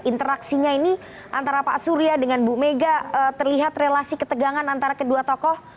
interaksinya ini antara pak surya dengan bu mega terlihat relasi ketegangan antara kedua tokoh